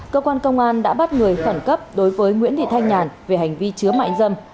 cơ quan công an đã bắt người khẩn cấp đối với nguyễn thị thanh nhàn về hành vi chứa mại dâm